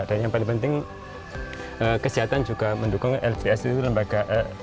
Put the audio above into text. dan yang paling penting kesihatan juga mendukung lvs itu lembaga